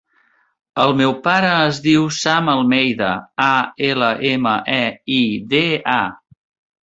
El meu pare es diu Sam Almeida: a, ela, ema, e, i, de, a.